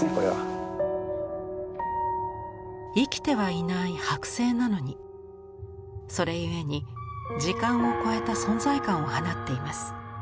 生きてはいないはく製なのにそれゆえに時間を超えた存在感を放っています。